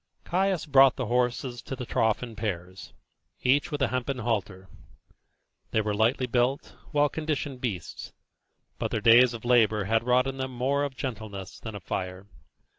Caius brought the horses to the trough in pairs, each with a hempen halter. They were lightly built, well conditioned beasts, but their days of labour had wrought in them more of gentleness than of fire.